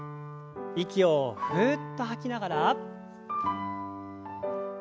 息をふっと吐きながら。